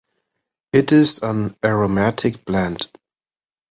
It is an aromatic plant.